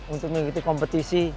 untuk mengikuti kompetisi